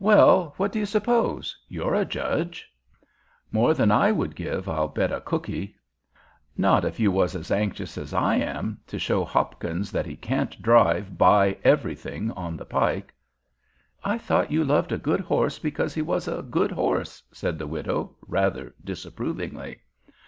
"Well, what do you suppose? You're a judge." "More than I would give, I'll bet a cookie." "Not if you was as anxious as I am to show Hopkins that he can't drive by everything on the pike." "I thought you loved a good horse because he was a good horse," said the widow, rather disapprovingly.